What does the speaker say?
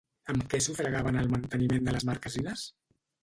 Amb què sufragaven el manteniment de les marquesines?